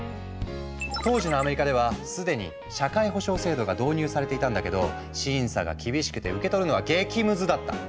当時のアメリカでは既に社会保障制度が導入されていたんだけど審査が厳しくて受け取るのが激ムズだった。